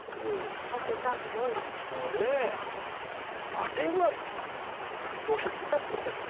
あれはどうやってやるんですか？